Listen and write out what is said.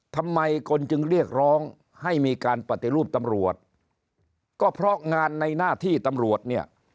ทำไมคนจึงเรียกร้องให้มีการปฏิรูปตำรวจก็เพราะงานในหน้าที่ตำรวจเนี่ย